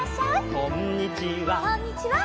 「こんにちは」